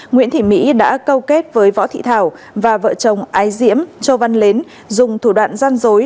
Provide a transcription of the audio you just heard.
nguyễn thị mỹ đã câu kết với võ thị thảo và vợ chồng ái diễm châu văn mến dùng thủ đoạn gian dối